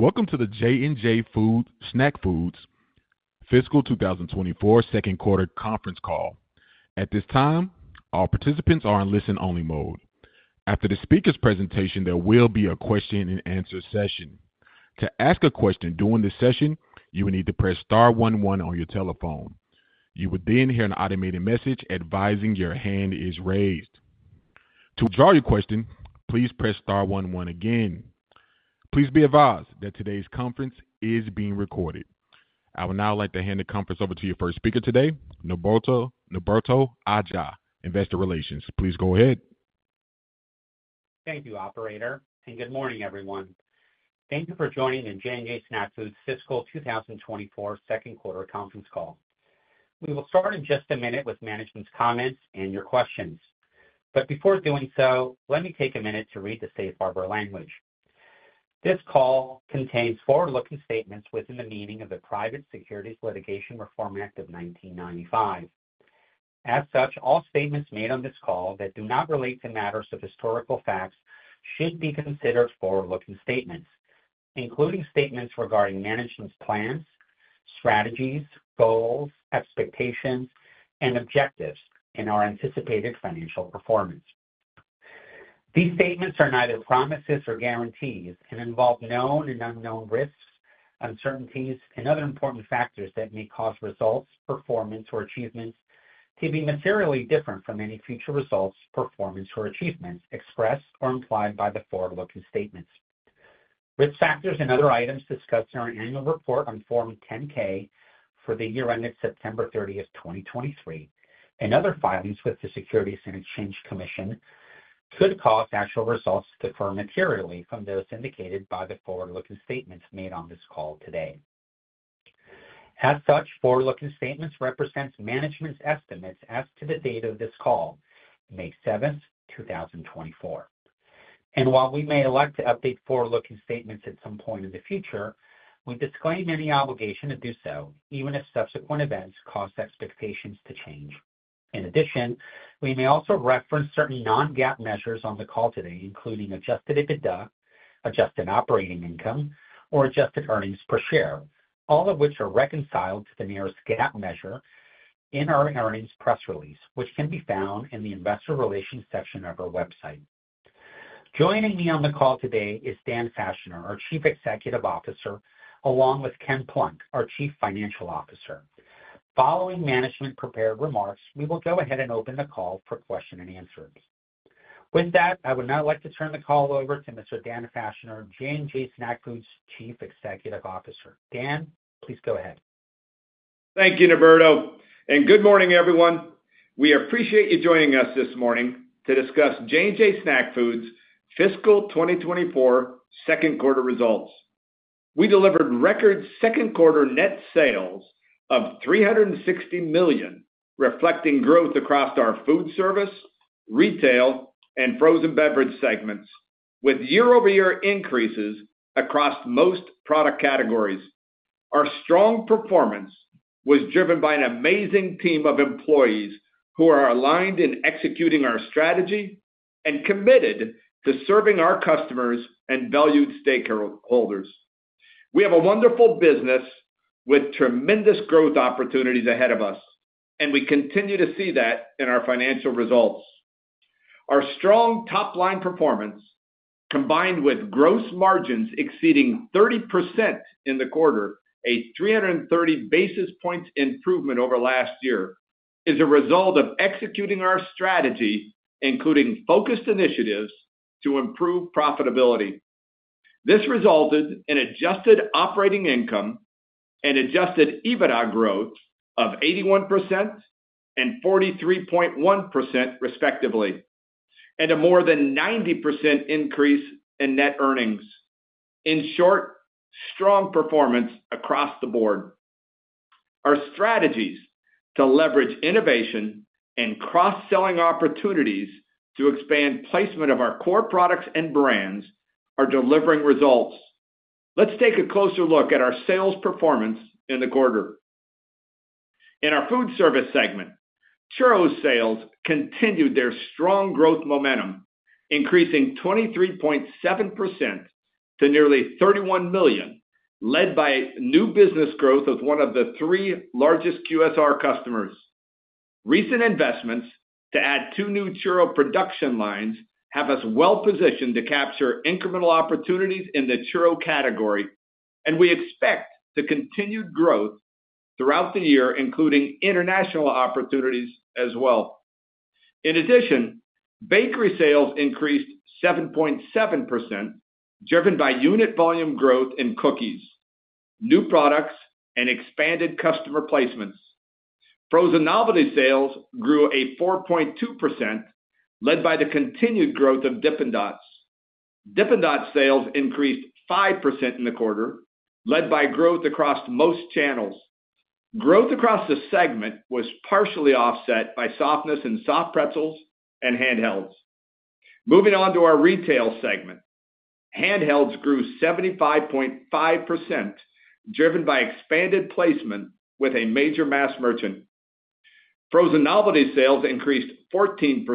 Welcome to the J&J Snack Foods Fiscal 2024 Second Quarter Conference Call. At this time, all participants are in listen-only mode. After the speaker's presentation, there will be a question-and-answer session. To ask a question during this session, you will need to press *11 on your telephone. You will then hear an automated message advising your hand is raised. To draw your question, please press *11 again. Please be advised that today's conference is being recorded. I would now like to hand the conference over to your first speaker today, Norberto Aja, Investor Relations. Please go ahead. Thank you, operator, and good morning, everyone. Thank you for joining the J&J Snack Foods Fiscal 2024 second quarter conference call. We will start in just a minute with management's comments and your questions, but before doing so, let me take a minute to read the safe harbor language. This call contains forward-looking statements within the meaning of the Private Securities Litigation Reform Act of 1995. As such, all statements made on this call that do not relate to matters of historical facts should be considered forward-looking statements, including statements regarding management's plans, strategies, goals, expectations, and objectives in our anticipated financial performance. These statements are neither promises nor guarantees and involve known and unknown risks, uncertainties, and other important factors that may cause results, performance, or achievements to be materially different from any future results, performance, or achievements expressed or implied by the forward-looking statements. Risk factors and other items discussed in our annual report on Form 10-K for the year ended September 30, 2023, and other filings with the Securities and Exchange Commission could cause actual results to differ materially from those indicated by the forward-looking statements made on this call today. As such, forward-looking statements represent management's estimates as to the date of this call, May 7, 2024. And while we may elect to update forward-looking statements at some point in the future, we disclaim any obligation to do so, even if subsequent events cause expectations to change. In addition, we may also reference certain non-GAAP measures on the call today, including Adjusted EBITDA, Adjusted Operating Income, or Adjusted Earnings Per Share, all of which are reconciled to the nearest GAAP measure in our earnings press release, which can be found in the Investor Relations section of our website. Joining me on the call today is Dan Fachner, our Chief Executive Officer, along with Ken Plunk, our Chief Financial Officer. Following management's prepared remarks, we will go ahead and open the call for question and answers. With that, I would now like to turn the call over to Mr. Dan Fachner, J & J Snack Foods Chief Executive Officer. Dan, please go ahead. Thank you, Norberto, and good morning, everyone. We appreciate you joining us this morning to discuss J&J Snack Foods Fiscal 2024 second quarter results. We delivered record second quarter net sales of $360 million, reflecting growth across our foodservice, retail, and Frozen Beverages segments, with year-over-year increases across most product categories. Our strong performance was driven by an amazing team of employees who are aligned in executing our strategy and committed to serving our customers and valued stakeholders. We have a wonderful business with tremendous growth opportunities ahead of us, and we continue to see that in our financial results. Our strong top-line performance, combined with gross margins exceeding 30% in the quarter, a 330 basis points improvement over last year, is a result of executing our strategy, including focused initiatives to improve profitability. This resulted in Adjusted Operating Income and Adjusted EBITDA growth of 81% and 43.1%, respectively, and a more than 90% increase in net earnings. In short, strong performance across the board. Our strategies to leverage innovation and cross-selling opportunities to expand placement of our core products and brands are delivering results. Let's take a closer look at our sales performance in the quarter. In our Foodservice segment, churros sales continued their strong growth momentum, increasing 23.7% to nearly $31 million, led by new business growth of one of the three largest QSR customers. Recent investments to add two new churro production lines have us well-positioned to capture incremental opportunities in the churro category, and we expect to continue growth throughout the year, including international opportunities as well. In addition, bakery sales increased 7.7%, driven by unit volume growth in cookies, new products, and expanded customer placements. Frozen novelty sales grew 4.2%, led by the continued growth of Dippin' Dots. Dippin' Dots sales increased 5% in the quarter, led by growth across most channels. Growth across the segment was partially offset by softness in soft pretzels and handhelds. Moving on to our Retail segment, handhelds grew 75.5%, driven by expanded placement with a major mass merchant. Frozen novelty sales increased 14%,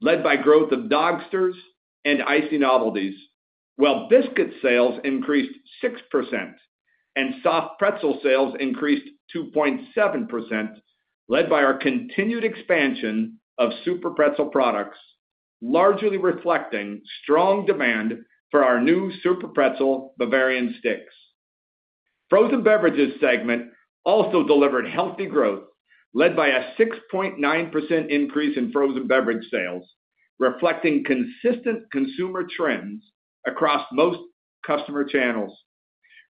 led by growth of Dogsters and ICEE novelties, while biscuit sales increased 6%, and soft pretzel sales increased 2.7%, led by our continued expansion of SuperPretzel products, largely reflecting strong demand for our new SuperPretzel Bavarian Sticks. Frozen beverages segment also delivered healthy growth, led by a 6.9% increase in frozen beverage sales, reflecting consistent consumer trends across most customer channels.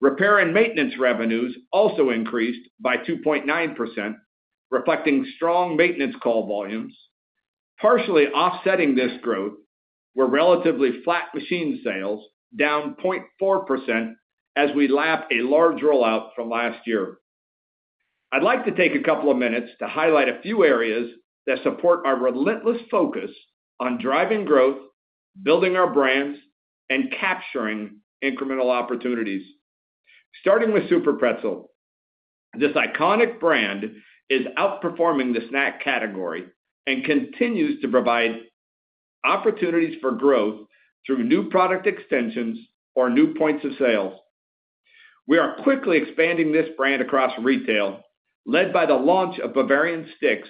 Repair and maintenance revenues also increased by 2.9%, reflecting strong maintenance call volumes. Partially offsetting this growth were relatively flat machine sales, down 0.4%, as we lap a large rollout from last year. I'd like to take a couple of minutes to highlight a few areas that support our relentless focus on driving growth, building our brands, and capturing incremental opportunities. Starting with SuperPretzel, this iconic brand is outperforming the snack category and continues to provide opportunities for growth through new product extensions or new points of sales. We are quickly expanding this brand across retail, led by the launch of Bavarian Sticks,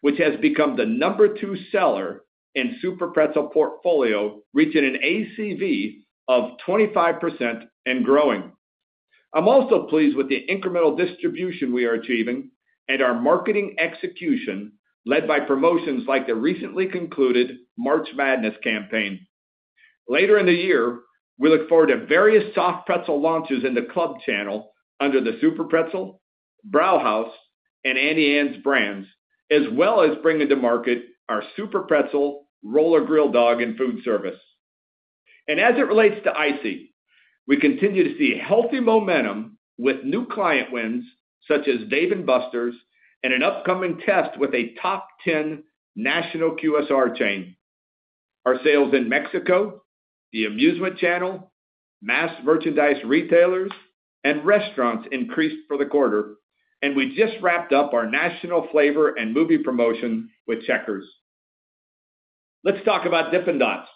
which has become the number two seller in SuperPretzel portfolio, reaching an ACV of 25% and growing. I'm also pleased with the incremental distribution we are achieving and our marketing execution, led by promotions like the recently concluded March Madness campaign. Later in the year, we look forward to various soft pretzel launches in the club channel under the SuperPretzel, Brauhaus, and Auntie Anne's brands, as well as bringing to market our SuperPretzel Roller Grill Dog in food service. As it relates to ICEE, we continue to see healthy momentum with new client wins such as Dave & Buster's and an upcoming test with a top 10 national QSR chain. Our sales in Mexico, the amusement channel, mass merchandise retailers, and restaurants increased for the quarter, and we just wrapped up our national flavor and movie promotion with Checkers. Let's talk about Dippin' Dots.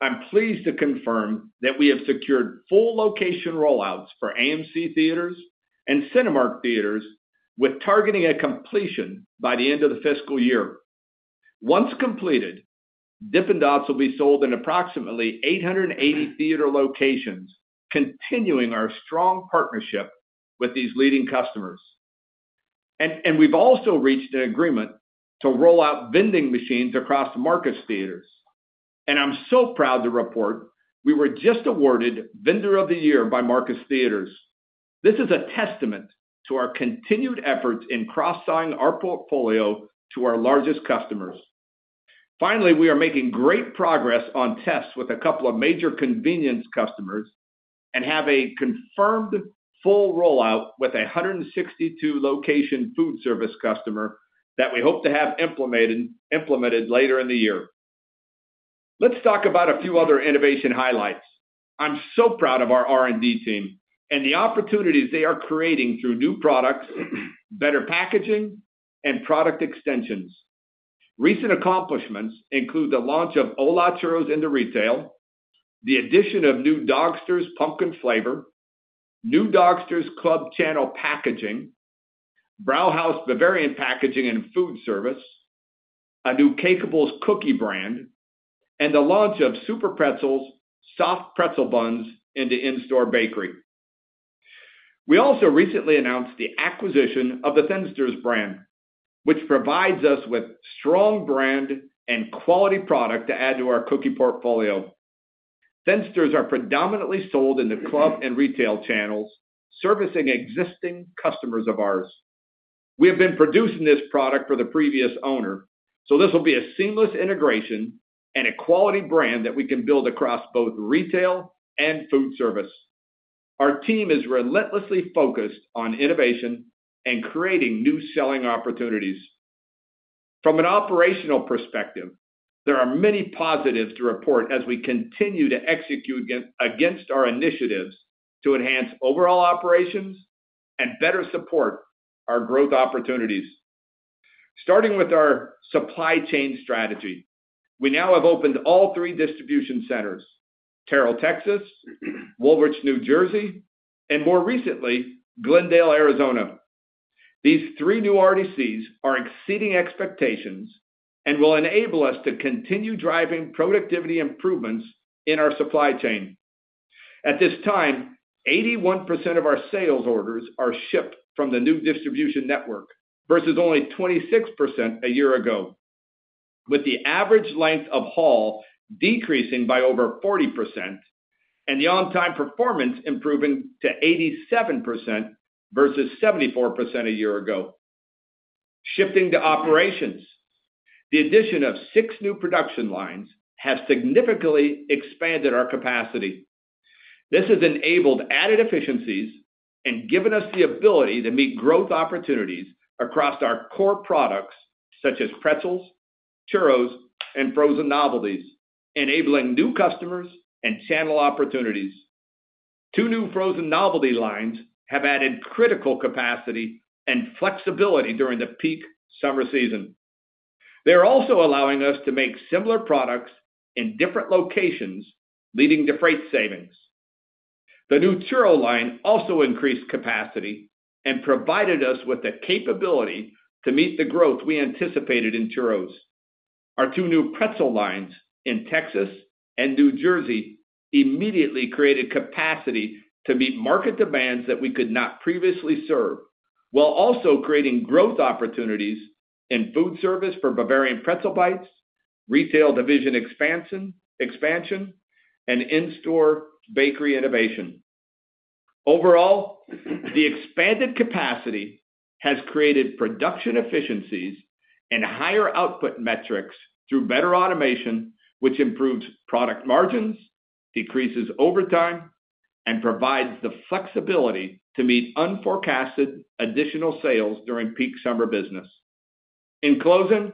I'm pleased to confirm that we have secured full location rollouts for AMC Theatres and Cinemark Theatres, with targeting a completion by the end of the fiscal year. Once completed, Dippin' Dots will be sold in approximately 880 theater locations, continuing our strong partnership with these leading customers. We've also reached an agreement to roll out vending machines across Marcus Theatres, and I'm so proud to report we were just awarded Vendor of the Year by Marcus Theatres. This is a testament to our continued efforts in cross-selling our portfolio to our largest customers. Finally, we are making great progress on tests with a couple of major convenience customers and have a confirmed full rollout with a 162-location food service customer that we hope to have implemented later in the year. Let's talk about a few other innovation highlights. I'm so proud of our R&D team and the opportunities they are creating through new products, better packaging, and product extensions. Recent accomplishments include the launch of ¡Hola! Churros in the retail, the addition of new Dogsters Pumpkin flavor, new Dogsters Club Channel packaging, Brauhaus Bavarian packaging in food service, a new Cakables cookie brand, and the launch of SuperPretzel Soft Pretzel Buns into in-store bakery. We also recently announced the acquisition of the Thinsters brand, which provides us with strong brand and quality product to add to our cookie portfolio. Thinsters are predominantly sold in the club and retail channels, servicing existing customers of ours. We have been producing this product for the previous owner, so this will be a seamless integration and a quality brand that we can build across both retail and food service. Our team is relentlessly focused on innovation and creating new selling opportunities. From an operational perspective, there are many positives to report as we continue to execute against our initiatives to enhance overall operations and better support our growth opportunities. Starting with our supply chain strategy, we now have opened all three distribution centers: Terrell, Texas; Woolwich, New Jersey; and more recently, Glendale, Arizona. These three new RDCs are exceeding expectations and will enable us to continue driving productivity improvements in our supply chain. At this time, 81% of our sales orders are shipped from the new distribution network versus only 26% a year ago, with the average length of haul decreasing by over 40% and the on-time performance improving to 87% versus 74% a year ago. Shifting to operations, the addition of six new production lines has significantly expanded our capacity. This has enabled added efficiencies and given us the ability to meet growth opportunities across our core products such as pretzels, churros, and frozen novelties, enabling new customers and channel opportunities. Two new frozen novelty lines have added critical capacity and flexibility during the peak summer season. They are also allowing us to make similar products in different locations, leading to freight savings. The new churro line also increased capacity and provided us with the capability to meet the growth we anticipated in churros. Our two new pretzel lines in Texas and New Jersey immediately created capacity to meet market demands that we could not previously serve, while also creating growth opportunities in food service for Bavarian Pretzel Bites, retail division expansion, and in-store bakery innovation. Overall, the expanded capacity has created production efficiencies and higher output metrics through better automation, which improves product margins, decreases overtime, and provides the flexibility to meet unforecasted additional sales during peak summer business. In closing,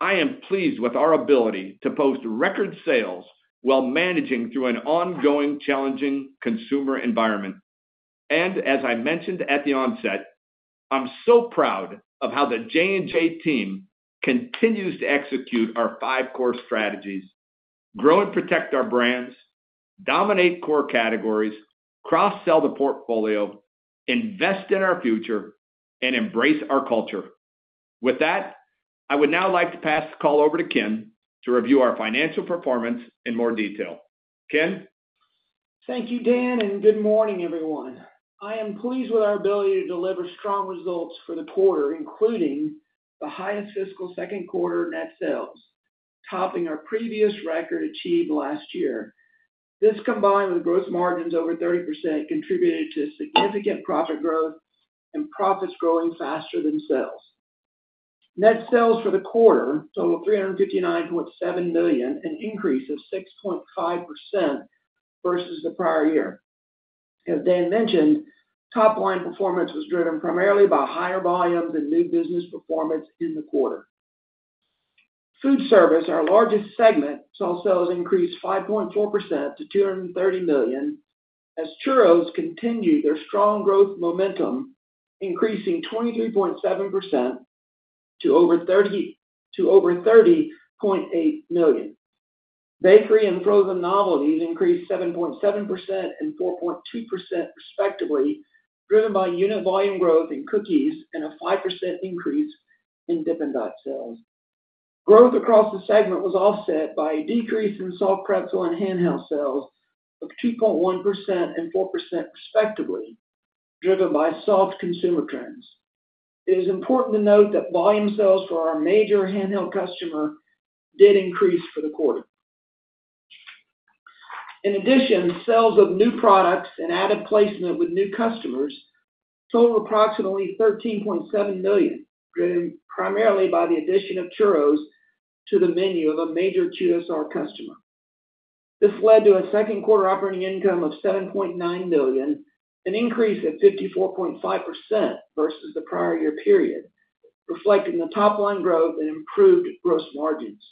I am pleased with our ability to post record sales while managing through an ongoing, challenging consumer environment. As I mentioned at the onset, I'm so proud of how the J&J team continues to execute our five core strategies: grow and protect our brands, dominate core categories, cross-sell the portfolio, invest in our future, and embrace our culture. With that, I would now like to pass the call over to Ken to review our financial performance in more detail. Ken? Thank you, Dan, and good morning, everyone. I am pleased with our ability to deliver strong results for the quarter, including the highest fiscal second quarter net sales, topping our previous record achieved last year. This, combined with growth margins over 30%, contributed to significant profit growth and profits growing faster than sales. Net sales for the quarter total $359.7 million, an increase of 6.5% versus the prior year. As Dan mentioned, top-line performance was driven primarily by higher volumes and new business performance in the quarter. Food service, our largest segment, also has increased 5.4% to $230 million, as churros continue their strong growth momentum, increasing 23.7% to over $30.8 million. Bakery and frozen novelties increased 7.7% and 4.2%, respectively, driven by unit volume growth in cookies and a 5% increase in Dippin' Dots sales. Growth across the segment was offset by a decrease in soft pretzel and handheld sales of 2.1% and 4%, respectively, driven by soft consumer trends. It is important to note that volume sales for our major handheld customer did increase for the quarter. In addition, sales of new products and added placement with new customers totaled approximately $13.7 million, driven primarily by the addition of churros to the menu of a major QSR customer. This led to a second quarter operating income of $7.9 million, an increase of 54.5% versus the prior year period, reflecting the top-line growth and improved gross margins.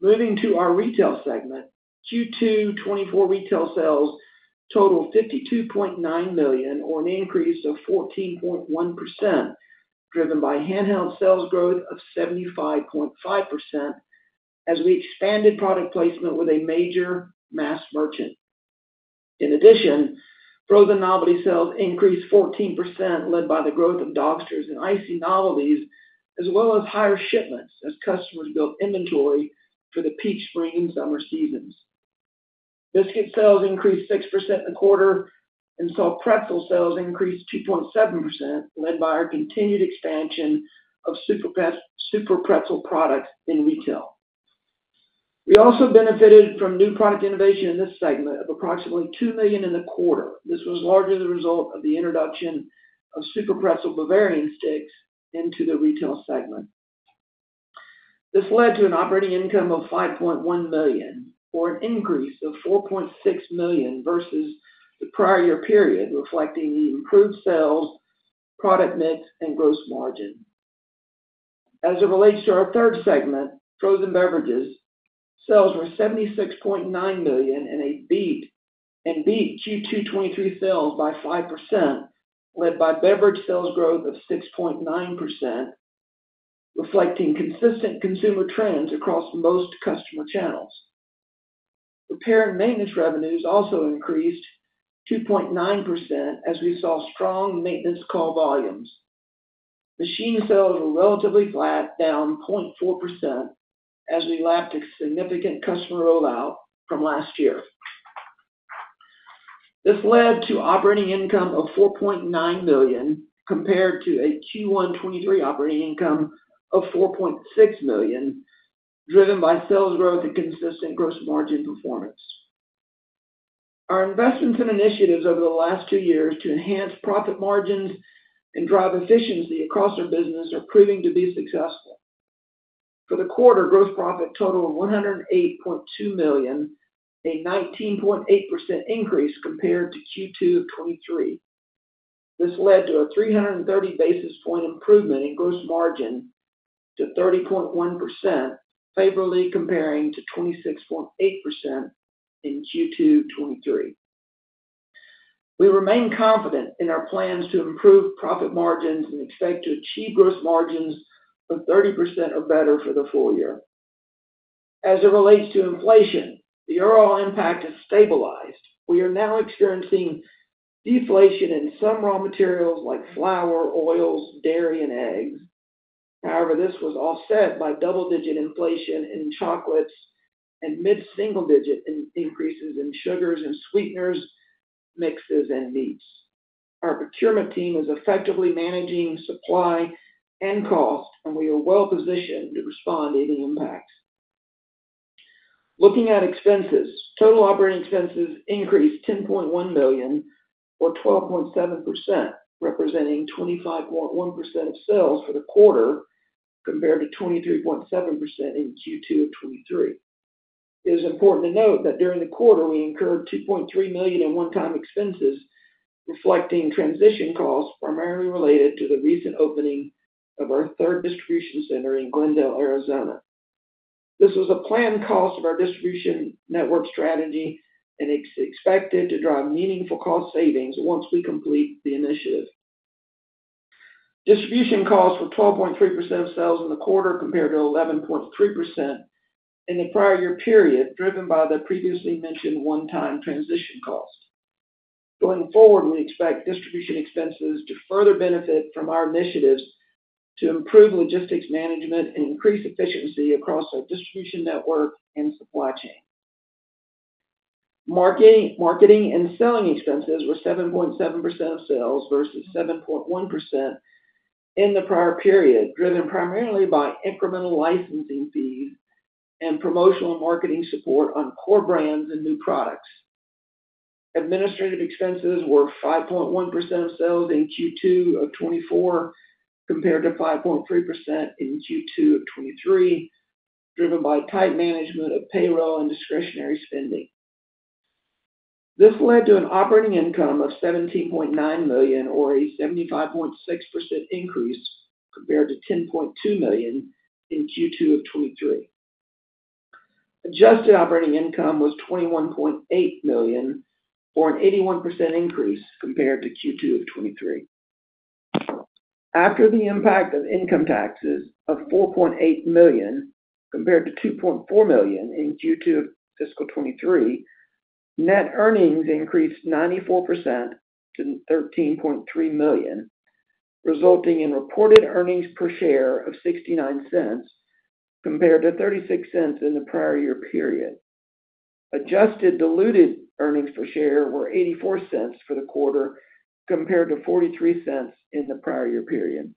Moving to our retail segment, Q2 2024 retail sales totaled $52.9 million, or an increase of 14.1%, driven by handheld sales growth of 75.5% as we expanded product placement with a major mass merchant. In addition, frozen novelty sales increased 14%, led by the growth of Dogsters and ICEE novelties, as well as higher shipments as customers built inventory for the peak spring and summer seasons. Biscuit sales increased 6% in the quarter, and soft pretzel sales increased 2.7%, led by our continued expansion of SuperPretzel products in retail. We also benefited from new product innovation in this segment of approximately $2 million in the quarter. This was largely the result of the introduction of SuperPretzel Bavarian Sticks into the retail segment. This led to an operating income of $5.1 million, or an increase of $4.6 million versus the prior year period, reflecting the improved sales, product mix, and gross margin. As it relates to our third segment, frozen beverages, sales were $76.9 million and beat Q2 2023 sales by 5%, led by beverage sales growth of 6.9%, reflecting consistent consumer trends across most customer channels. Repair and maintenance revenues also increased 2.9% as we saw strong maintenance call volumes. Machine sales were relatively flat, down 0.4%, as we lapped a significant customer rollout from last year. This led to operating income of $4.9 million compared to a Q1 2023 operating income of $4.6 million, driven by sales growth and consistent gross margin performance. Our investments and initiatives over the last two years to enhance profit margins and drive efficiency across our business are proving to be successful. For the quarter, gross profit totaled $108.2 million, a 19.8% increase compared to Q2 of 2023. This led to a 330 basis point improvement in gross margin to 30.1%, favorably comparing to 26.8% in Q2 2023. We remain confident in our plans to improve profit margins and expect to achieve gross margins of 30% or better for the full year. As it relates to inflation, the overall impact has stabilized. We are now experiencing deflation in some raw materials like flour, oils, dairy, and eggs. However, this was offset by double-digit inflation in chocolates and mid-single-digit increases in sugars and sweeteners, mixes, and meats. Our procurement team is effectively managing supply and cost, and we are well positioned to respond to any impacts. Looking at expenses, total operating expenses increased $10.1 million, or 12.7%, representing 25.1% of sales for the quarter compared to 23.7% in Q2 of 2023. It is important to note that during the quarter, we incurred $2.3 million in one-time expenses, reflecting transition costs primarily related to the recent opening of our third distribution center in Glendale, Arizona. This was a planned cost of our distribution network strategy and is expected to drive meaningful cost savings once we complete the initiative. Distribution costs were 12.3% of sales in the quarter compared to 11.3% in the prior year period, driven by the previously mentioned one-time transition cost. Going forward, we expect distribution expenses to further benefit from our initiatives to improve logistics management and increase efficiency across our distribution network and supply chain. Marketing and selling expenses were 7.7% of sales versus 7.1% in the prior period, driven primarily by incremental licensing fees and promotional and marketing support on core brands and new products. Administrative expenses were 5.1% of sales in Q2 of 2024 compared to 5.3% in Q2 of 2023, driven by tight management of payroll and discretionary spending. This led to an operating income of $17.9 million, or a 75.6% increase compared to $10.2 million in Q2 of 2023. Adjusted operating income was $21.8 million, or an 81% increase compared to Q2 of 2023. After the impact of income taxes of $4.8 million compared to $2.4 million in Q2 of fiscal 2023, net earnings increased 94% to $13.3 million, resulting in reported earnings per share of $0.69 compared to $0.36 in the prior year period. Adjusted Diluted Earnings Per Share were $0.84 for the quarter compared to $0.43 in the prior year period.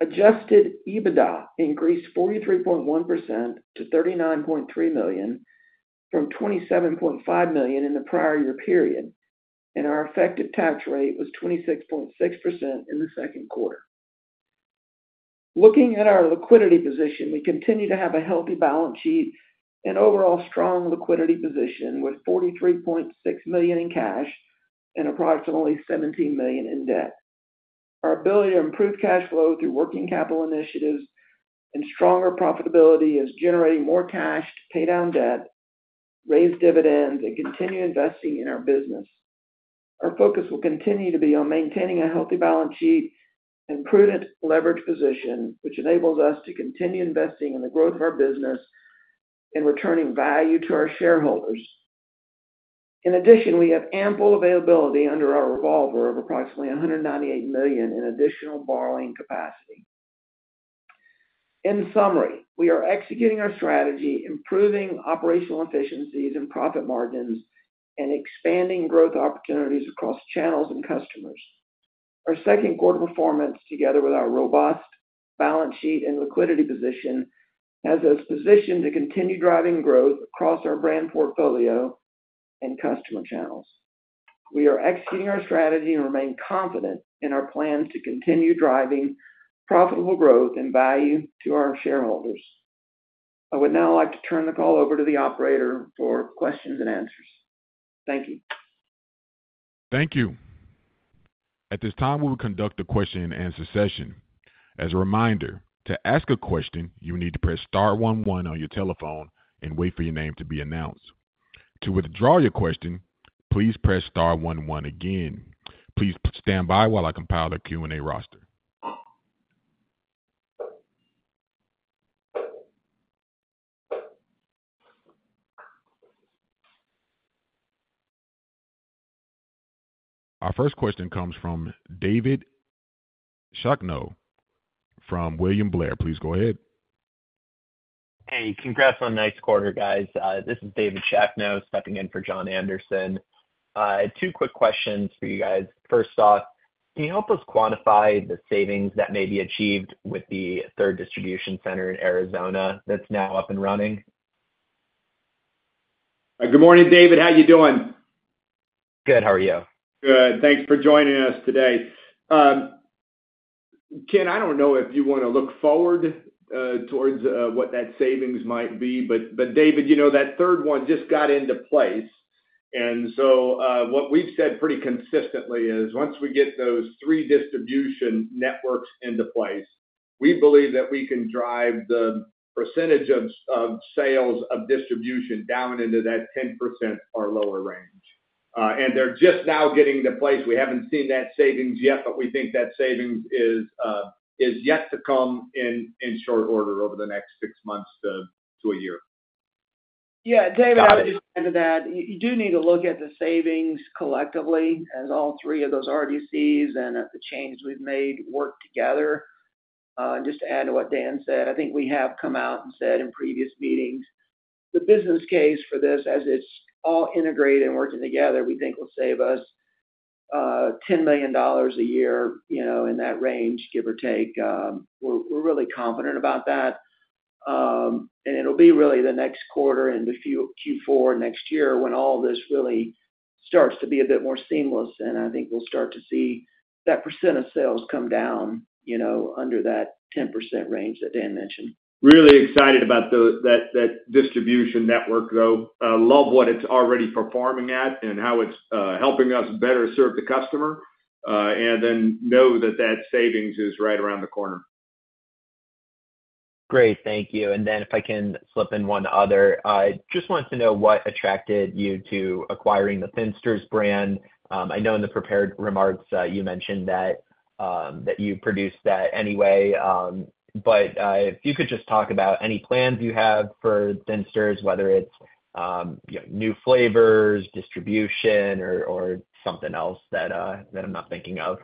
Adjusted EBITDA increased 43.1% to $39.3 million from $27.5 million in the prior year period, and our effective tax rate was 26.6% in the second quarter. Looking at our liquidity position, we continue to have a healthy balance sheet and overall strong liquidity position with $43.6 million in cash and approximately $17 million in debt. Our ability to improve cash flow through working capital initiatives and stronger profitability is generating more cash to pay down debt, raise dividends, and continue investing in our business. Our focus will continue to be on maintaining a healthy balance sheet and prudent leverage position, which enables us to continue investing in the growth of our business and returning value to our shareholders. In addition, we have ample availability under our revolver of approximately $198 million in additional borrowing capacity. In summary, we are executing our strategy, improving operational efficiencies and profit margins, and expanding growth opportunities across channels and customers. Our second quarter performance, together with our robust balance sheet and liquidity position, has us positioned to continue driving growth across our brand portfolio and customer channels. We are executing our strategy and remain confident in our plans to continue driving profitable growth and value to our shareholders. I would now like to turn the call over to the operator for questions and answers. Thank you. Thank you. At this time, we will conduct a question and answer session. As a reminder, to ask a question, you will need to press *11 on your telephone and wait for your name to be announced. To withdraw your question, please press *11 again. Please stand by while I compile the Q&A roster. Our first question comes from David Schachne from William Blair. Please go ahead. Hey, congrats on next quarter, guys. This is David Schachne stepping in for John Anderson. Two quick questions for you guys. First off, can you help us quantify the savings that may be achieved with the third distribution center in Arizona that's now up and running? Good morning, David. How are you doing? Good. How are you? Good. Thanks for joining us today. Ken, I don't know if you want to look forward towards what that savings might be, but David, that third one just got into place. What we've said pretty consistently is, once we get those three distribution networks into place, we believe that we can drive the percentage of sales of distribution down into that 10% or lower range. They're just now getting into place. We haven't seen that savings yet, but we think that savings is yet to come in short order over the next six months to a year. Yeah, David, I would just add to that. You do need to look at the savings collectively as all three of those RDCs and the change we've made work together. And just to add to what Dan said, I think we have come out and said in previous meetings, the business case for this, as it's all integrated and working together, we think will save us $10 million a year in that range, give or take. We're really confident about that. And it'll be really the next quarter into Q4 next year when all this really starts to be a bit more seamless, and I think we'll start to see that % of sales come down under that 10% range that Dan mentioned. Really excited about that distribution network, though. Love what it's already performing at and how it's helping us better serve the customer. And then know that that savings is right around the corner. Great. Thank you. And then if I can slip in one other, I just wanted to know what attracted you to acquiring the Thinsters brand. I know in the prepared remarks you mentioned that you produce that anyway. But if you could just talk about any plans you have for Thinsters, whether it's new flavors, distribution, or something else that I'm not thinking of.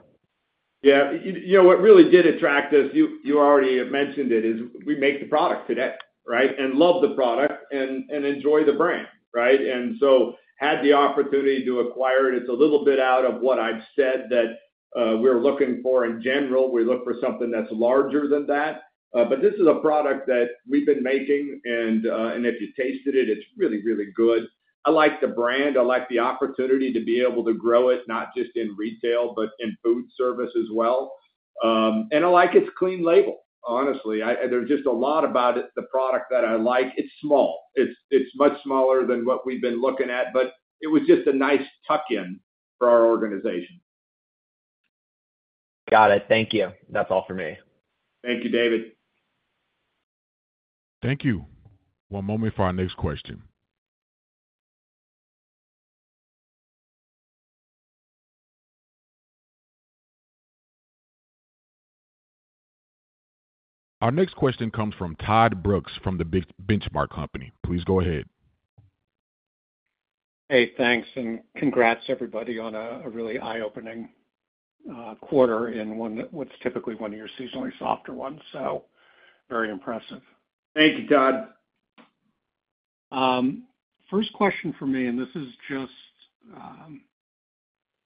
Yeah. What really did attract us, you already mentioned it, is we make the product today, right? And love the product and enjoy the brand, right? And so had the opportunity to acquire it, it's a little bit out of what I've said that we're looking for in general. We look for something that's larger than that. But this is a product that we've been making, and if you tasted it, it's really, really good. I like the brand. I like the opportunity to be able to grow it, not just in retail, but in food service as well. And I like its clean label, honestly. There's just a lot about it, the product that I like. It's small. It's much smaller than what we've been looking at, but it was just a nice tuck-in for our organization. Got it. Thank you. That's all for me. Thank you, David. Thank you. One moment for our next question. Our next question comes from Todd Brooks from The Benchmark Company. Please go ahead. Hey, thanks. And congrats, everybody, on a really eye-opening quarter in what's typically one of your seasonally softer ones. So very impressive. Thank you, Todd. First question for me, and this is just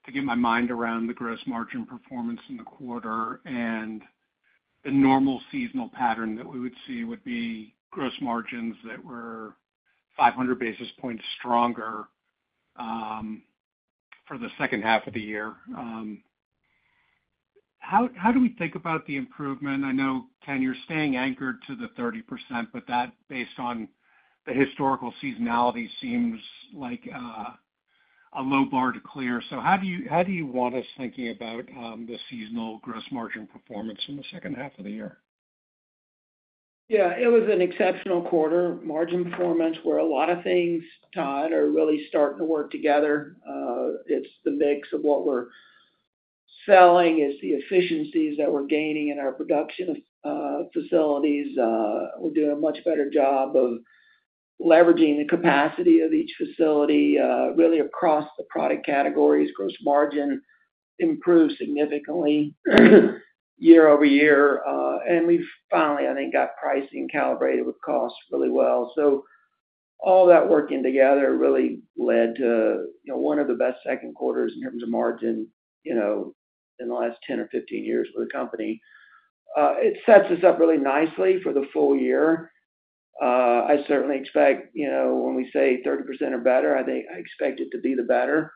to get my mind around the gross margin performance in the quarter and the normal seasonal pattern that we would see would be gross margins that were 500 basis points stronger for the second half of the year. How do we think about the improvement? I know, Ken, you're staying anchored to the 30%, but that, based on the historical seasonality, seems like a low bar to clear. So how do you want us thinking about the seasonal gross margin performance in the second half of the year? Yeah. It was an exceptional quarter, margin performance, where a lot of things, Todd, are really starting to work together. It's the mix of what we're selling. It's the efficiencies that we're gaining in our production facilities. We're doing a much better job of leveraging the capacity of each facility really across the product categories. Gross margin improved significantly year-over-year. And we finally, I think, got pricing calibrated with cost really well. So all that working together really led to one of the best second quarters in terms of margin in the last 10 or 15 years for the company. It sets us up really nicely for the full year. I certainly expect when we say 30% or better, I expect it to be the better.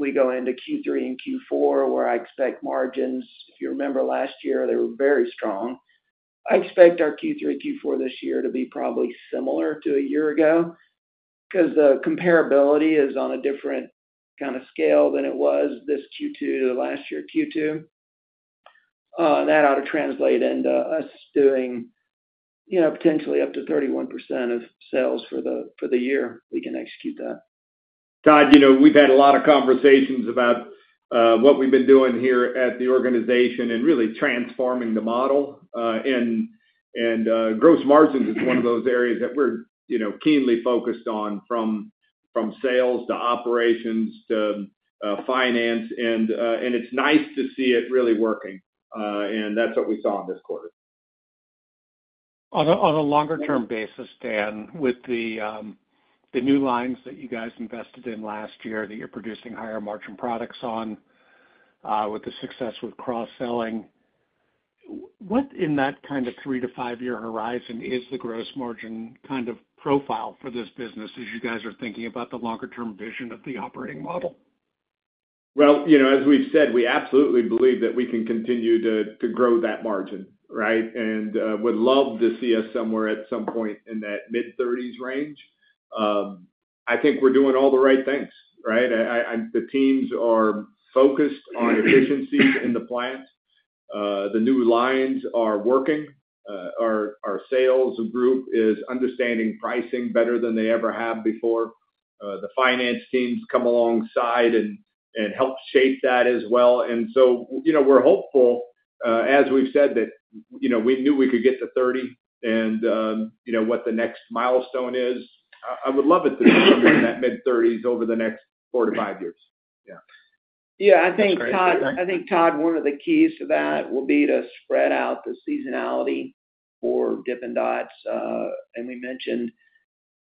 We go into Q3 and Q4 where I expect margins, if you remember last year, they were very strong. I expect our Q3, Q4 this year to be probably similar to a year ago because the comparability is on a different kind of scale than it was this Q2 to the last year Q2. That ought to translate into us doing potentially up to 31% of sales for the year. We can execute that. Todd, we've had a lot of conversations about what we've been doing here at the organization and really transforming the model. Gross margins is one of those areas that we're keenly focused on from sales to operations to finance. It's nice to see it really working. That's what we saw in this quarter. On a longer-term basis, Dan, with the new lines that you guys invested in last year that you're producing higher margin products on with the success with cross-selling, what, in that kind of 3-5-year horizon, is the gross margin kind of profile for this business as you guys are thinking about the longer-term vision of the operating model? Well, as we've said, we absolutely believe that we can continue to grow that margin, right? And would love to see us somewhere at some point in that mid-30s% range. I think we're doing all the right things, right? The teams are focused on efficiencies in the plant. The new lines are working. Our sales group is understanding pricing better than they ever have before. The finance teams come alongside and help shape that as well. And so we're hopeful, as we've said, that we knew we could get to 30% and what the next milestone is. I would love it to be somewhere in that mid-30s% over the next 4-5 years. Yeah. Yeah. I think, Todd, one of the keys to that will be to spread out the seasonality for Dippin' Dots. And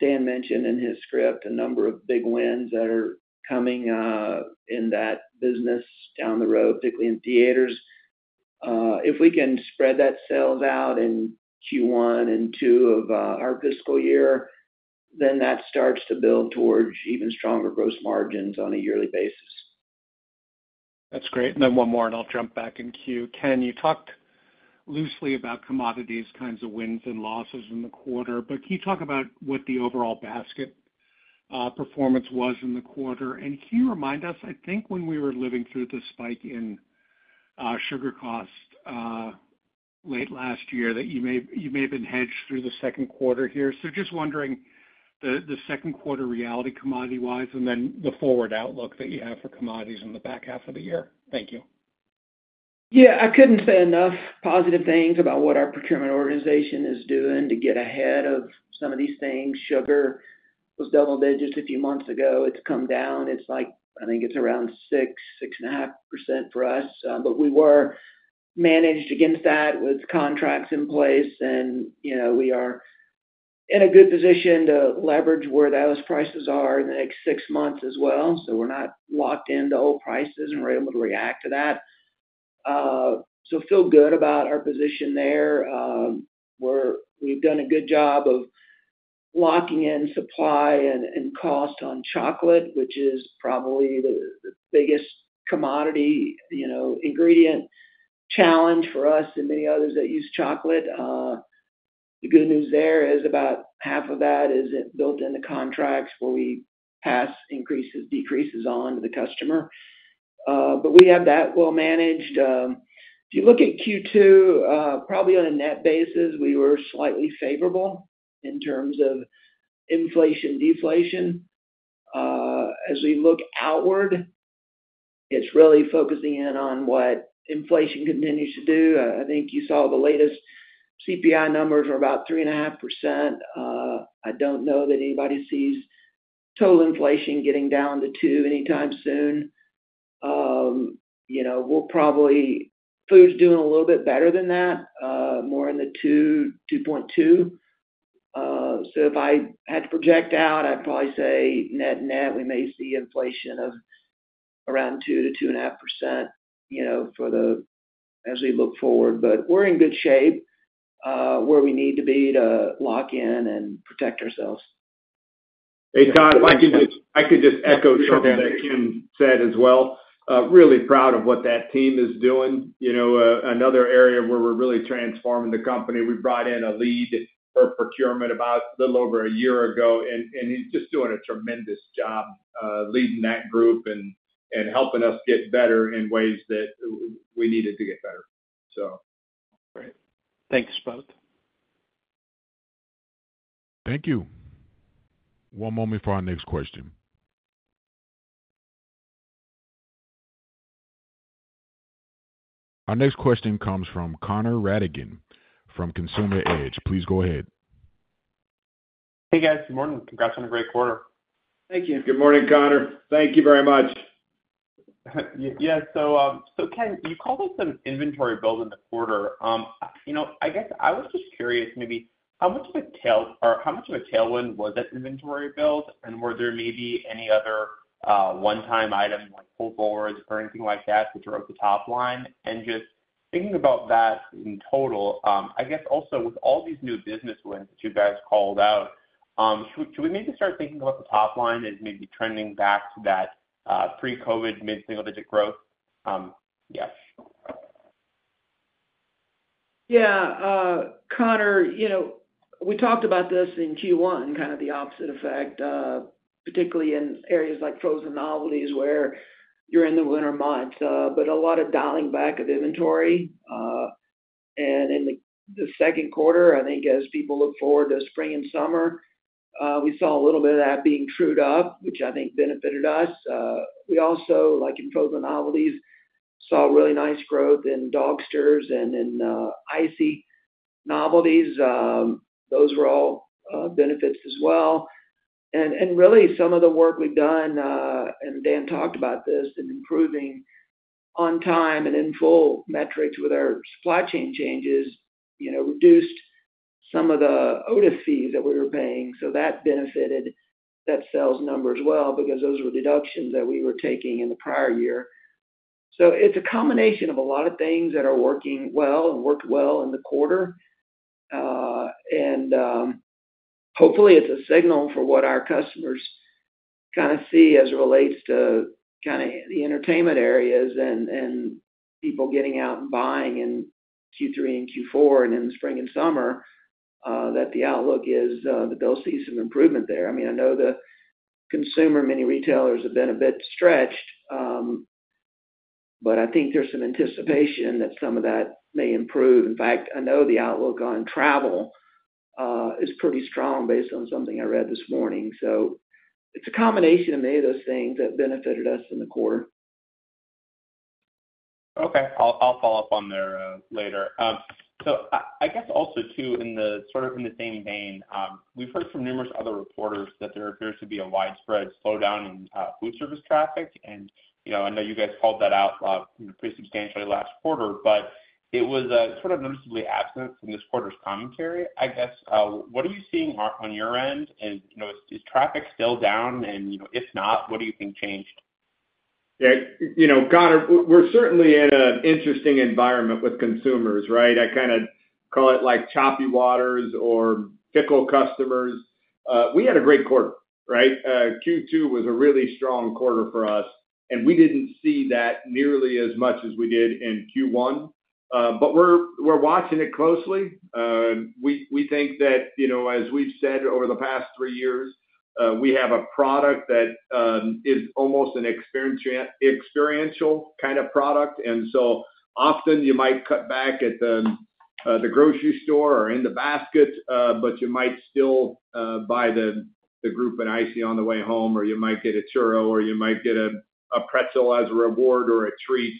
Dan mentioned in his script a number of big wins that are coming in that business down the road, particularly in theaters. If we can spread that sales out in Q1 and Q2 of our fiscal year, then that starts to build towards even stronger gross margins on a yearly basis. That's great. And then one more, and I'll jump back in queue. Ken, you talked loosely about commodities kinds of wins and losses in the quarter, but can you talk about what the overall basket performance was in the quarter? And can you remind us, I think when we were living through the spike in sugar costs late last year, that you may have been hedged through the second quarter here. So just wondering the second quarter reality commodity-wise and then the forward outlook that you have for commodities in the back half of the year. Thank you. Yeah. I couldn't say enough positive things about what our procurement organization is doing to get ahead of some of these things. Sugar was double-digit a few months ago. It's come down. I think it's around 6-6.5% for us. But we were managed against that with contracts in place. And we are in a good position to leverage where the highest prices are in the next six months as well. So we're not locked into old prices, and we're able to react to that. So feel good about our position there. We've done a good job of locking in supply and cost on chocolate, which is probably the biggest commodity ingredient challenge for us and many others that use chocolate. The good news there is about half of that is built into contracts where we pass increases, decreases on to the customer. But we have that well managed. If you look at Q2, probably on a net basis, we were slightly favorable in terms of inflation, deflation. As we look outward, it's really focusing in on what inflation continues to do. I think you saw the latest CPI numbers were about 3.5%. I don't know that anybody sees total inflation getting down to 2% anytime soon. Food's doing a little bit better than that, more in the 2%-2.2%. So if I had to project out, I'd probably say net-net, we may see inflation of around 2%-2.5% as we look forward. But we're in good shape where we need to be to lock in and protect ourselves. Hey, Todd, if I could just echo something that Ken said as well. Really proud of what that team is doing. Another area where we're really transforming the company, we brought in a lead for procurement about a little over a year ago, and he's just doing a tremendous job leading that group and helping us get better in ways that we needed to get better, so. Great. Thanks, both. Thank you. One moment for our next question. Our next question comes from Connor Rattigan from Consumer Edge. Please go ahead. Hey, guys. Good morning. Congrats on a great quarter. Thank you. Good morning, Connor. Thank you very much. Yeah. So, Ken, you called us an inventory build in the quarter. I guess I was just curious maybe how much of a tail or how much of a tailwind was that inventory build, and were there maybe any other one-time items like pull forwards or anything like that that drove the top line? And just thinking about that in total, I guess also with all these new business wins that you guys called out, should we maybe start thinking about the top line as maybe trending back to that pre-COVID mid-single-digit growth? Yes. Yeah. Connor, we talked about this in Q1, kind of the opposite effect, particularly in areas like frozen novelties where you're in the winter months, but a lot of dialing back of inventory. And in the second quarter, I think as people look forward to spring and summer, we saw a little bit of that being trued up, which I think benefited us. We also, like in frozen novelties, saw really nice growth in Dogsters and in ICEE novelties. Those were all benefits as well. And really, some of the work we've done, and Dan talked about this, in improving on time and in full metrics with our supply chain changes reduced some of the OTIF fees that we were paying. So that benefited that sales number as well because those were deductions that we were taking in the prior year. So it's a combination of a lot of things that are working well and worked well in the quarter. And hopefully, it's a signal for what our customers kind of see as it relates to kind of the entertainment areas and people getting out and buying in Q3 and Q4 and in the spring and summer that the outlook is that they'll see some improvement there. I mean, I know the consumer mini retailers have been a bit stretched, but I think there's some anticipation that some of that may improve. In fact, I know the outlook on travel is pretty strong based on something I read this morning. So it's a combination of many of those things that benefited us in the quarter. Okay. I'll follow up on there later. So I guess also too, sort of in the same vein, we've heard from numerous other reporters that there appears to be a widespread slowdown in food service traffic. And I know you guys called that out pretty substantially last quarter, but it was sort of noticeably absent from this quarter's commentary, I guess. What are you seeing on your end? Is traffic still down? And if not, what do you think changed? Yeah. Connor, we're certainly in an interesting environment with consumers, right? I kind of call it choppy waters or fickle customers. We had a great quarter, right? Q2 was a really strong quarter for us, and we didn't see that nearly as much as we did in Q1. But we're watching it closely. We think that, as we've said over the past three years, we have a product that is almost an experiential kind of product. And so often, you might cut back at the grocery store or in the basket, but you might still buy the group an ICEE on the way home, or you might get a churro, or you might get a pretzel as a reward or a treat,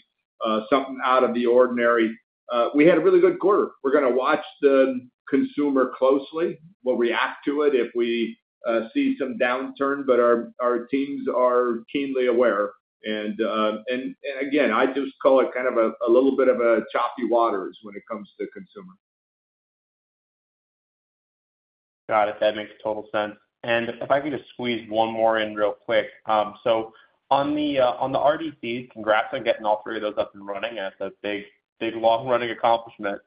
something out of the ordinary. We had a really good quarter. We're going to watch the consumer closely, we'll react to it if we see some downturn, but our teams are keenly aware. And again, I just call it kind of a little bit of a choppy waters when it comes to consumers. Got it. That makes total sense. And if I can just squeeze one more in real quick. So on the RDCs, congrats on getting all three of those up and running. That's a big, long-running accomplishment.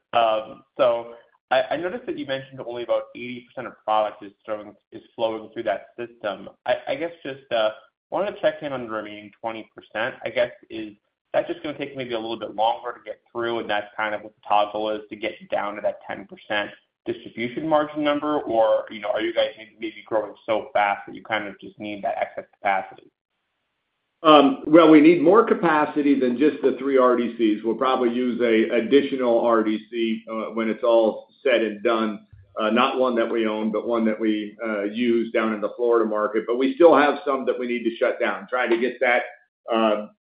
So I noticed that you mentioned only about 80% of product is flowing through that system. I guess just wanted to check in on the remaining 20%. I guess is that just going to take maybe a little bit longer to get through? And that's kind of what the toggle is to get down to that 10% distribution margin number? Or are you guys maybe growing so fast that you kind of just need that excess capacity? Well, we need more capacity than just the 3 RDCs. We'll probably use an additional RDC when it's all said and done. Not one that we own, but one that we use down in the Florida market. But we still have some that we need to shut down. Trying to get that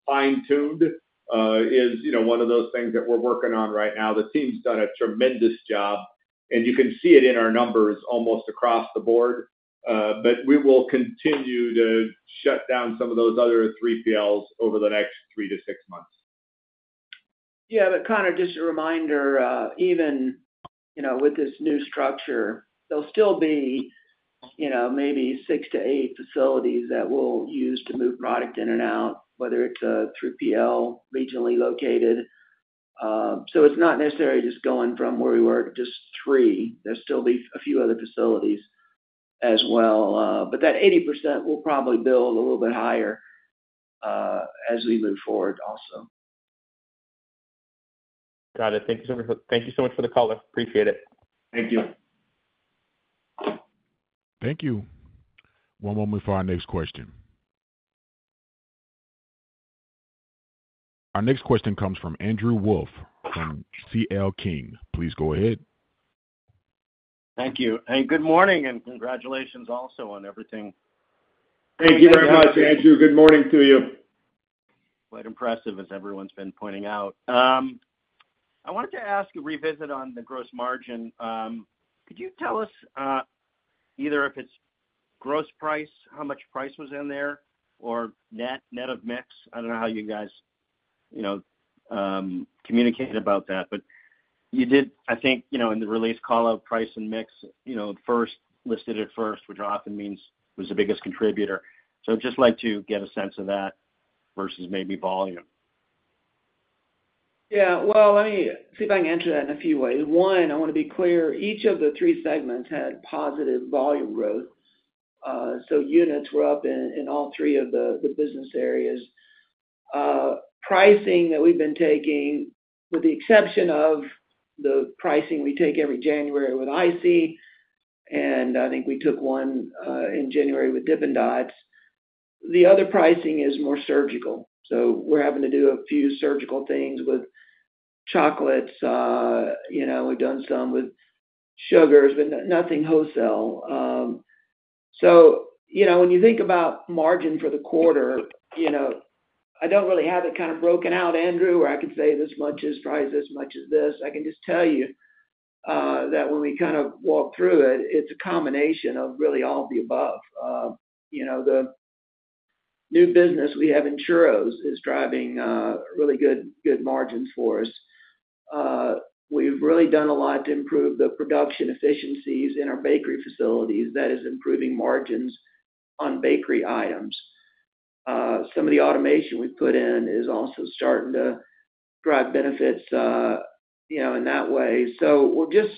fine-tuned is one of those things that we're working on right now. The team's done a tremendous job. And you can see it in our numbers almost across the board. But we will continue to shut down some of those other 3PLs over the next 3-6 months. Yeah. But Connor, just a reminder, even with this new structure, there'll still be maybe 6-8 facilities that we'll use to move product in and out, whether it's a 3PL regionally located. So it's not necessarily just going from where we were, just 3. There'll still be a few other facilities as well. But that 80% will probably build a little bit higher as we move forward also. Got it. Thank you so much for the call. I appreciate it. Thank you. Thank you. One moment for our next question. Our next question comes from Andrew Wolf from CL King. Please go ahead. Thank you. Hey, good morning and congratulations also on everything. Thank you very much, Andrew. Good morning to you. Quite impressive, as everyone's been pointing out. I wanted to ask a revisit on the gross margin. Could you tell us either if it's gross price, how much price was in there, or net of mix? I don't know how you guys communicate about that. But you did, I think, in the release callout, price and mix listed it first, which often means it was the biggest contributor. So I'd just like to get a sense of that versus maybe volume. Yeah. Well, let me see if I can answer that in a few ways. One, I want to be clear. Each of the three segments had positive volume growth. So units were up in all three of the business areas. Pricing that we've been taking, with the exception of the pricing we take every January with IC, and I think we took one in January with Dippin' Dots, the other pricing is more surgical. So we're having to do a few surgical things with chocolates. We've done some with sugars, but nothing wholesale. So when you think about margin for the quarter, I don't really have it kind of broken out, Andrew, where I could say this much is priced as much as this. I can just tell you that when we kind of walk through it, it's a combination of really all of the above. The new business we have in churros is driving really good margins for us. We've really done a lot to improve the production efficiencies in our bakery facilities. That is improving margins on bakery items. Some of the automation we've put in is also starting to drive benefits in that way. So we're just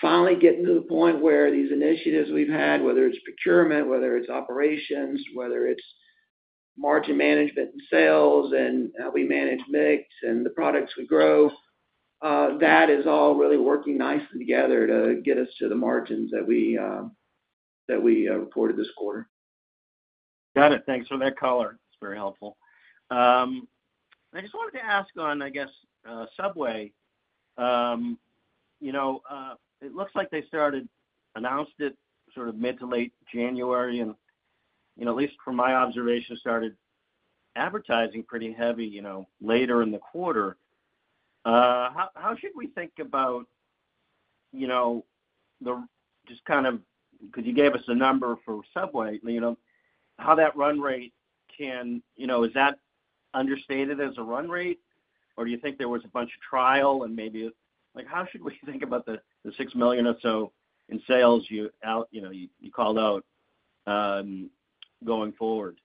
finally getting to the point where these initiatives we've had, whether it's procurement, whether it's operations, whether it's margin management and sales and how we manage mix and the products we grow, that is all really working nicely together to get us to the margins that we reported this quarter. Got it. Thanks for that callout. It's very helpful. I just wanted to ask on, I guess, Subway. It looks like they started. Announced it sort of mid to late January, and at least from my observation, started advertising pretty heavy later in the quarter. How should we think about the just kind of because you gave us a number for Subway, how that run rate can is that understated as a run rate, or do you think there was a bunch of trial and maybe how should we think about the $6 million or so in sales you called out going forward?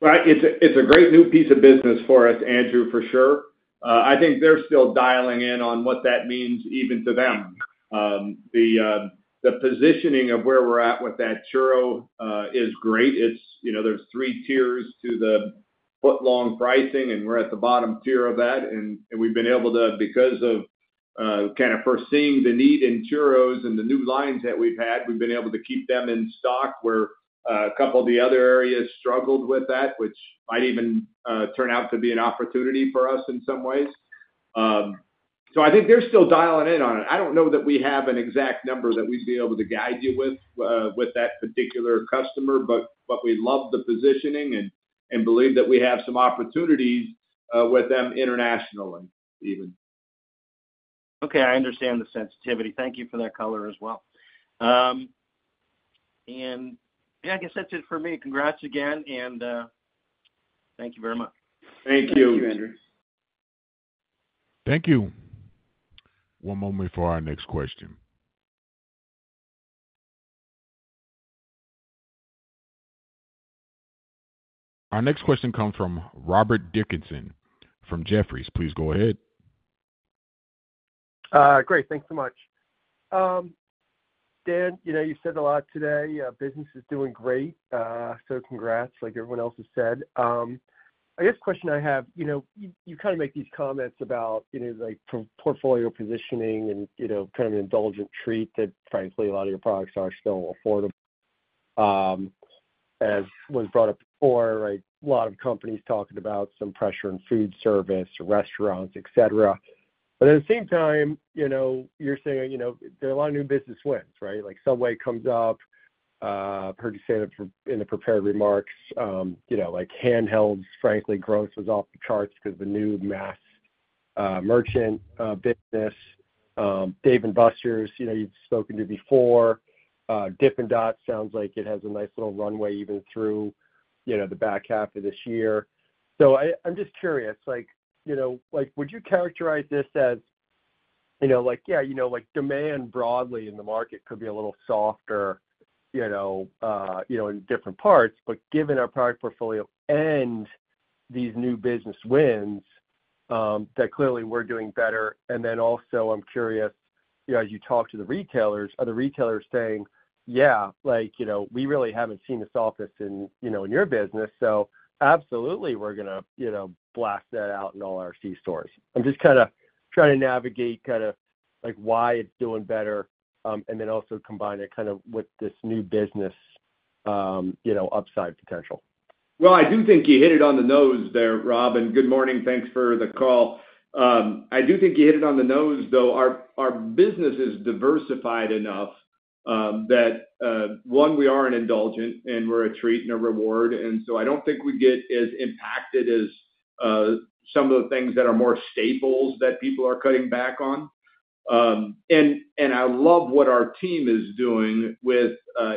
Right. It's a great new piece of business for us, Andrew, for sure. I think they're still dialing in on what that means even to them. The positioning of where we're at with that churro is great. There's three tiers to the foot-long pricing, and we're at the bottom tier of that. And we've been able to, because of kind of foreseeing the need in churros and the new lines that we've had, we've been able to keep them in stock where a couple of the other areas struggled with that, which might even turn out to be an opportunity for us in some ways. So I think they're still dialing in on it. I don't know that we have an exact number that we'd be able to guide you with with that particular customer, but we love the positioning and believe that we have some opportunities with them internationally even. Okay. I understand the sensitivity. Thank you for that callout as well. Yeah, I guess that's it for me. Congrats again, and thank you very much. Thank you. Thank you, Andrew. Thank you. One moment before our next question. Our next question comes from Rob Dickerson from Jefferies. Please go ahead. Great. Thanks so much. Dan, you said a lot today. Business is doing great. So congrats, like everyone else has said. I guess the question I have, you kind of make these comments about portfolio positioning and kind of an indulgent treat that, frankly, a lot of your products are still affordable as was brought up before, right? A lot of companies talking about some pressure in food service or restaurants, etc. But at the same time, you're saying there are a lot of new business wins, right? Subway comes up. I've heard you say that in the prepared remarks. Handhelds, frankly, growth was off the charts because of the new mass merchant business. Dave & Buster's, you've spoken to before. Dippin' Dots sounds like it has a nice little runway even through the back half of this year. So I'm just curious. Would you characterize this as, yeah, demand broadly in the market could be a little softer in different parts, but given our product portfolio and these new business wins, that clearly we're doing better? And then also, I'm curious, as you talk to the retailers, are the retailers saying, "Yeah, we really haven't seen this softness in your business. So absolutely, we're going to blast that out in all our C stores." I'm just kind of trying to navigate kind of why it's doing better and then also combine it kind of with this new business upside potential. Well, I do think you hit it on the nose there, Rob. Good morning. Thanks for the call. I do think you hit it on the nose, though. Our business is diversified enough that, one, we are an indulgent, and we're a treat and a reward. And so I don't think we get as impacted as some of the things that are more staples that people are cutting back on. And I love what our team is doing with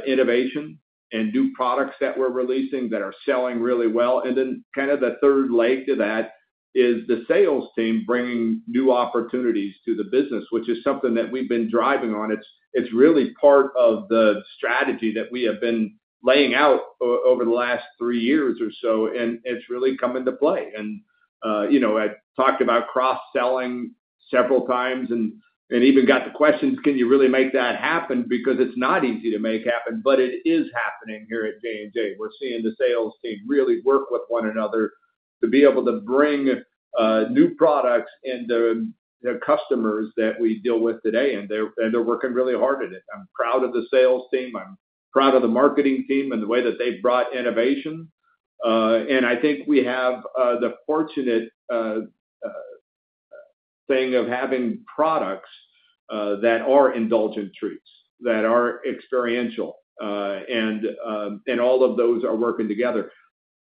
innovation and new products that we're releasing that are selling really well. And then kind of the third leg to that is the sales team bringing new opportunities to the business, which is something that we've been driving on. It's really part of the strategy that we have been laying out over the last three years or so. And it's really come into play. I talked about cross-selling several times and even got the questions, "Can you really make that happen?" Because it's not easy to make happen, but it is happening here at J&J. We're seeing the sales team really work with one another to be able to bring new products into the customers that we deal with today. And they're working really hard at it. I'm proud of the sales team. I'm proud of the marketing team and the way that they've brought innovation. And I think we have the fortunate thing of having products that are indulgent treats, that are experiential, and all of those are working together.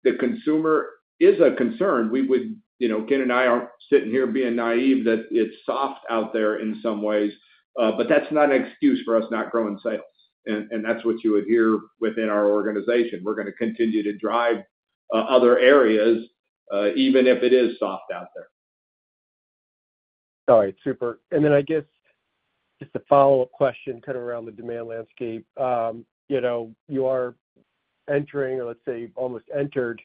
The consumer is a concern. Ken and I aren't sitting here being naive that it's soft out there in some ways. But that's not an excuse for us not growing sales. And that's what you would hear within our organization. We're going to continue to drive other areas, even if it is soft out there. All right. Super. And then I guess just a follow-up question kind of around the demand landscape. You are entering or, let's say, almost entered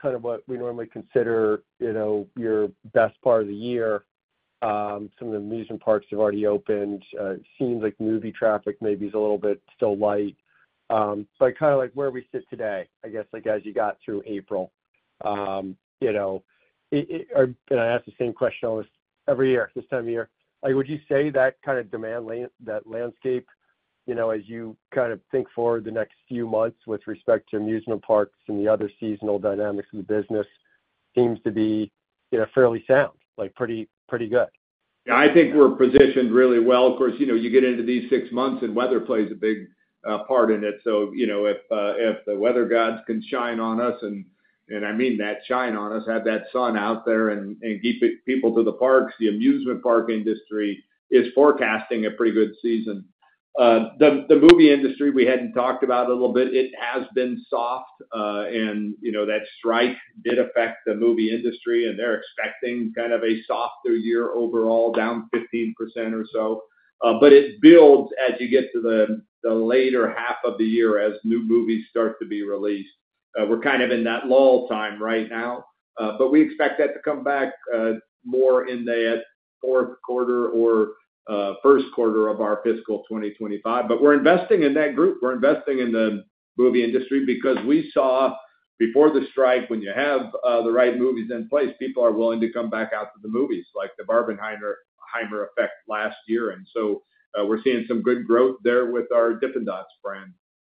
kind of what we normally consider your best part of the year. Some of the amusement parks have already opened. It seems like movie traffic maybe is a little bit still light. So kind of where we sit today, I guess, as you got through April, and I ask the same question almost every year this time of year, would you say that kind of demand landscape, as you kind of think forward the next few months with respect to amusement parks and the other seasonal dynamics of the business, seems to be fairly sound, pretty good? Yeah. I think we're positioned really well. Of course, you get into these six months, and weather plays a big part in it. So if the weather gods can shine on us, and I mean that shine on us, have that sun out there and keep people to the parks, the amusement park industry is forecasting a pretty good season. The movie industry, we hadn't talked about a little bit. It has been soft. And that strike did affect the movie industry, and they're expecting kind of a softer year overall, down 15% or so. But it builds as you get to the later half of the year as new movies start to be released. We're kind of in that lull time right now. But we expect that to come back more in the fourth quarter or first quarter of our fiscal 2025. But we're investing in that group. We're investing in the movie industry because we saw before the strike, when you have the right movies in place, people are willing to come back out to the movies like the Barbenheimer effect last year. And so we're seeing some good growth there with our Dippin' Dots brand.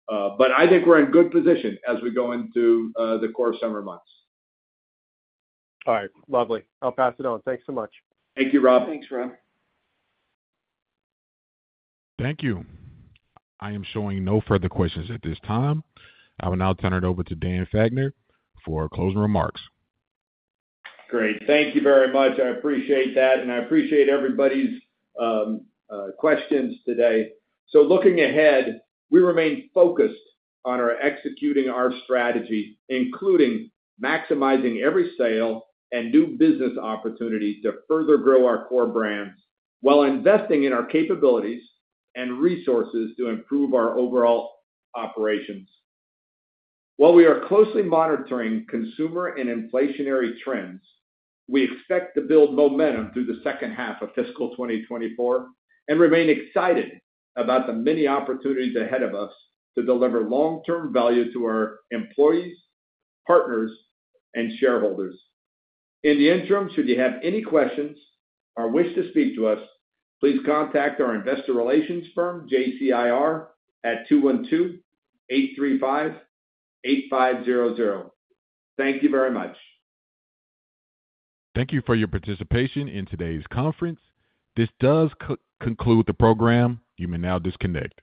But I think we're in good position as we go into the core summer months. All right. Lovely. I'll pass it on. Thanks so much. Thank you, Robin. Thanks, Rob. Thank you. I am showing no further questions at this time. I will now turn it over to Dan Fachner for closing remarks. Great. Thank you very much. I appreciate that. I appreciate everybody's questions today. Looking ahead, we remain focused on executing our strategy, including maximizing every sale and new business opportunities to further grow our core brands while investing in our capabilities and resources to improve our overall operations. While we are closely monitoring consumer and inflationary trends, we expect to build momentum through the second half of fiscal 2024 and remain excited about the many opportunities ahead of us to deliver long-term value to our employees, partners, and shareholders. In the interim, should you have any questions or wish to speak to us, please contact our investor relations firm, JCIR, at 212-835-8500. Thank you very much. Thank you for your participation in today's conference. This does conclude the program. You may now disconnect.